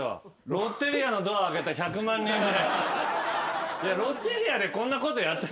「ロッテリアのドアをあけた１００万人目よ！」